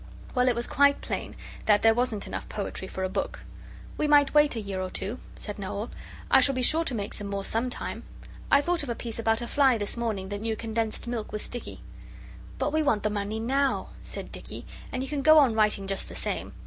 Well, it was quite plain that there wasn't enough poetry for a book. 'We might wait a year or two,' said Noel. 'I shall be sure to make some more some time. I thought of a piece about a fly this morning that knew condensed milk was sticky.' 'But we want the money now,' said Dicky, 'and you can go on writing just the same.